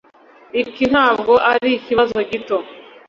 Iki ntabwo ari ikibazo gito